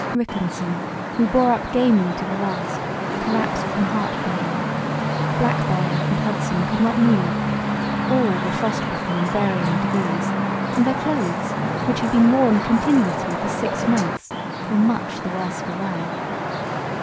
Rickenson, who bore up gamely to the last, collapsed from heart failure. Blackborrow and Hudson could not move. All were frost bitten in varying degrees and their clothes, which had been worn continuously for six months, were much the worse for wear.